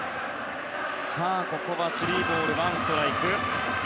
ここはスリーボールワンストライク。